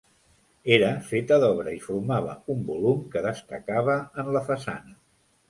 Era feta d'obra i formava un volum que destacava en la façana.